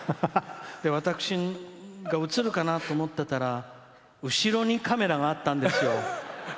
私が映るかなと思ってたら後ろにカメラがあったんですよ。